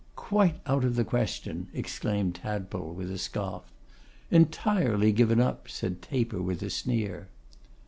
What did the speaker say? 'Quite out of the question,' exclaimed Tadpole, with a scoff. 'Entirely given up,' said Taper, with a sneer.